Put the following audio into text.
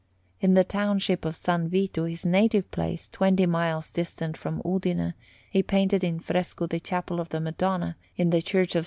In the township of San Vito, his native place, twenty miles distant from Udine, he painted in fresco the Chapel of the Madonna in the Church of S.